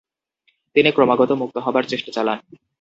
তিনি ক্রমাগত মুক্ত হবার চেষ্টা চালান।